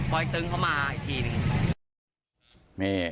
ปล่อยตึงเข้ามาอีกทีนึง